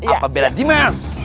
apa bela dimas